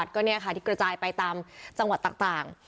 ได้กินได้กระจายไปตามจังหวัดต่าง